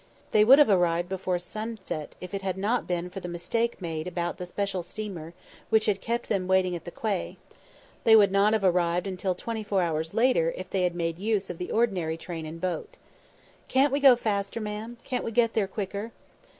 They would have arrived before sunset if it had not been for the mistake made about the special steamer which had kept them waiting at the quay; they would not have arrived until twenty four hours later if they had made use of the ordinary train and boat. "Can't we go faster, ma'am? Can't we get there quicker?"